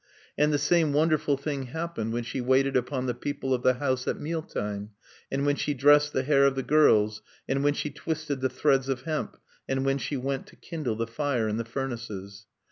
And the same wonderful thing happened when she waited upon the people of the house at mealtime, and when she dressed the hair of the girls, and when she twisted the threads of hemp, and when she went to kindle the fire in the furnaces.